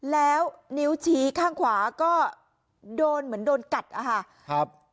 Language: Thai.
แล้วนิ้วชี้ข้างขวาก็โดนเหมือนโดนกัดอะค่ะครับ